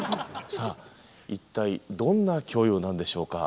さあ一体どんな教養なんでしょうか？